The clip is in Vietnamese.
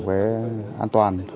cái an toàn